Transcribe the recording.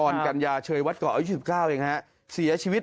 อ่อนกันยาเชยวัดเกาะร์อายุสิบเก้าอย่างนี้ศีรษฐ์ชีวิต